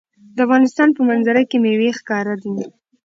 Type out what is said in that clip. د افغانستان په منظره کې مېوې ښکاره ده.